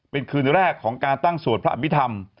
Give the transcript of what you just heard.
เป็นคืนแรกของการตั้งสวดพระอภิษฐรรม